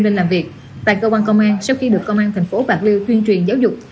lên làm việc tại cơ quan công an sau khi được công an thành phố bạc liêu tuyên truyền giáo dục